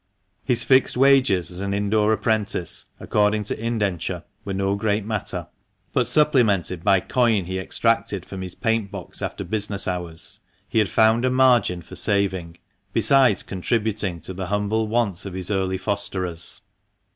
His fixed wages as an indoor apprentice, according to indenture, were no great matter ; but, supplemented by coin he extracted from his paint box after business hours, he had found a margin for saving, besides contributing to the humble wants of his early fosterers.